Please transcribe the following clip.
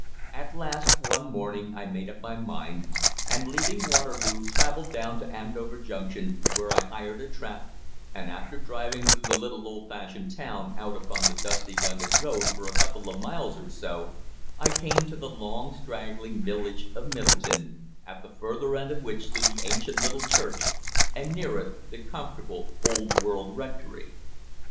At last, one morning I made up my mind, and, leaving Waterloo, travelled down to Andover Junction, where I hired a trap, and, after driving through the little old fashioned town out upon the dusty London Road for a couple of miles or so, I came to the long straggling village of Middleton, at the further end of which stood the ancient little church, and near it the comfortable old world rectory.